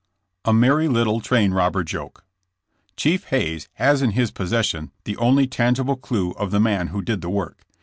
A MERRY LITTLE TRAIN ROBBER JOKE. Chief Hayes has in his possession the only tangi ble clue of the man who did the work.